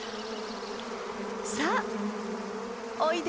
さあおいで。